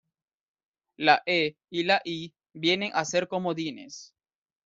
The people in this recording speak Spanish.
La e y la i vienen a ser comodines.